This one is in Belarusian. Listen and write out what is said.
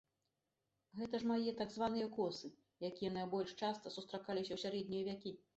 Гэты ж мае так званыя косы, якія найбольш часта сустракаліся ў сярэднія вякі.